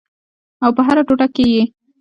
او په هره ټوټه کې یې